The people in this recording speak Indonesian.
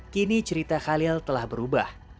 kini cerita khalil telah berubah